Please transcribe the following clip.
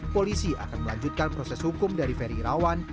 polisi akan melanjutkan proses hukum dari ferry irawan